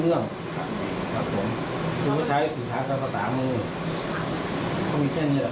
เรื่องครับผมก็ใช้สื่อสารกับภาษามือเขามีแค่นี้แหละ